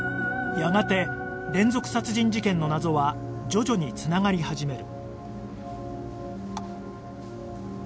やがて連続殺人事件の謎は徐々に繋がり始める